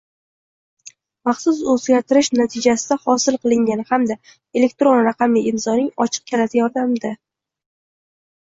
maxsus o‘zgartirish natijasida hosil qilingan hamda elektron raqamli imzoning ochiq kaliti yordamida